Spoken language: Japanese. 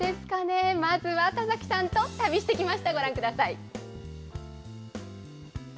どうですかね、まずは田崎さんと旅してきました。